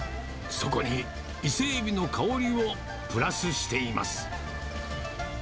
そこにイセエビの香りをプラスしています。